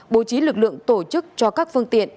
bố trí lực lượng tổ chức cho các phương tiện